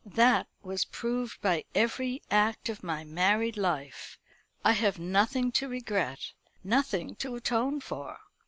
That was proved by every act of my married life. I have nothing to regret, nothing to atone for.